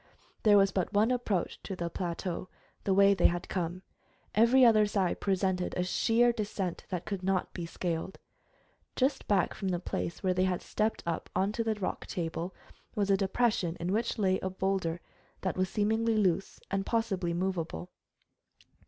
There was but one approach to the plateau, the way they had come. Every other side presented a sheer descent that could not be scaled. Just back from the place where they had stepped up onto the rock table was a depression in which lay a boulder that was seemingly loose and possibly movable.